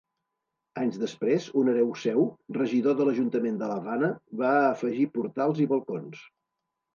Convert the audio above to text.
Anys després, un hereu seu, regidor de l'Ajuntament de l'Havana, va afegir portals i balcons.